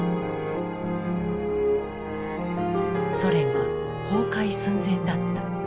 ソ連は崩壊寸前だった。